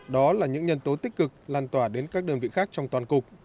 đó là những nhân tố tích cực lan tỏa đến các đơn vị khác trong toàn cục